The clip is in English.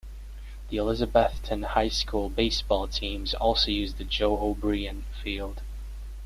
The Elizabethton High School baseball teams also use the Joe O'Brien Field.